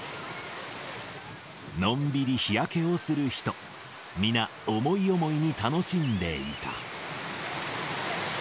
のんびり日焼けをする人、皆、思い思いに楽しんでいた。